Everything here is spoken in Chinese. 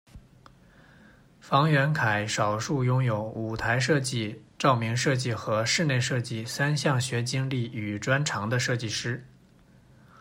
房元凯少数拥有舞台设计、照明设计和室内设计三项学经历与专长的设计师。